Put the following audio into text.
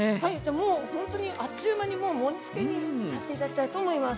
もうほんとにあっちゅう間に盛りつけにさせていただきたいと思います。